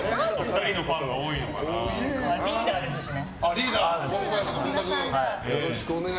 まあリーダーですしね。